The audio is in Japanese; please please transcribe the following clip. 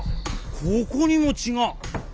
ここにも血が。